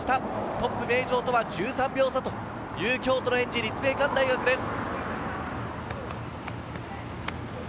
トップの名城とは１３秒差という京都のえんじ、立命館大学です。